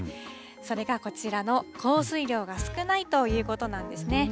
それがこちらの、降水量が少ないということなんですね。